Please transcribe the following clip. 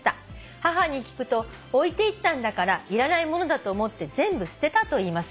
「母に聞くと置いていったんだからいらない物だと思って全部捨てたと言います」